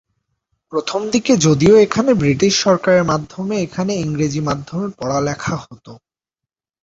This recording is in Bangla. প্রথমদিকে যদিও এখানে ব্রিটিশ সরকারের মাধ্যমে এখানে ইংরেজি মাধ্যমে পড়ালেখা হতো।